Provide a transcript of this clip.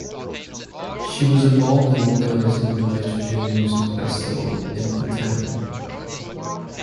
She was involved in organising the Nitrogen music festival in the town.